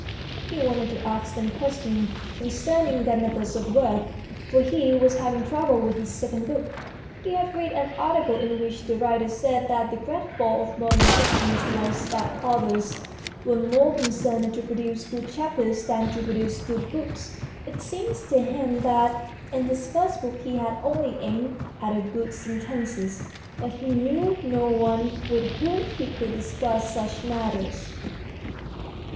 He wanted to ask them questions concerning their methods of work, for he was having trouble with his second book. He had read an article in which the writer said that the great fault of modern fiction was that authors were more concerned to produce good chapters than to produce good books. It seemed to him that in his first book he had only aimed at good sen tences, but he knew no one with whom he could discuss such matters.